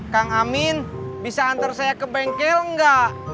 kang amin bisa antar saya ke bengkel nggak